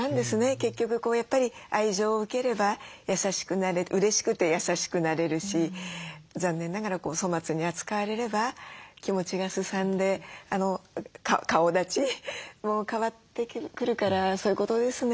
結局やっぱり愛情を受ければうれしくて優しくなれるし残念ながら粗末に扱われれば気持ちがすさんで顔だちも変わってくるからそういうことですね。